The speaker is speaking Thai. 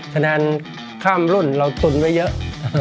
คะแนนข้ามรุ่นเราตุนไว้เยอะ